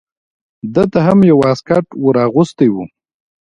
ده ته هم یو واسکټ ور اغوستی و.